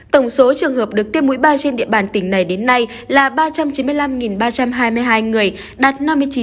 tổng số trường hợp được tiêm mũi ba trên địa bàn tỉnh này đến nay là ba trăm chín mươi năm ba trăm hai mươi hai người đạt năm mươi chín